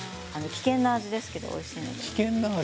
危険な味ですけどおいしいです。